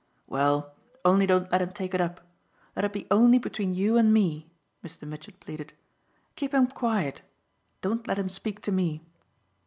"Well, only don't let him take it up. Let it be only between you and me," Mr. Mitchett pleaded; "keep him quiet don't let him speak to me."